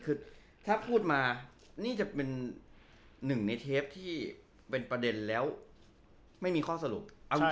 คือถ้าพูดมานี่จะเป็นหนึ่งในเทปที่เป็นประเด็นแล้วไม่มีข้อสรุป